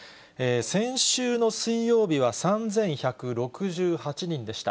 先週の水曜日は３１６８人でした。